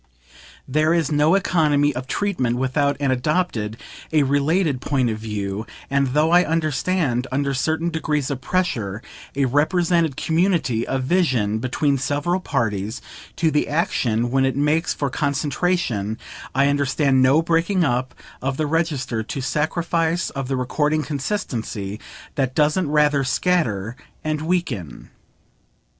There is no economy of treatment without an adopted, a related point of view, and though I understand, under certain degrees of pressure, a represented community of vision between several parties to the action when it makes for concentration, I understand no breaking up of the register, no sacrifice of the recording consistency, that doesn't rather scatter and weaken.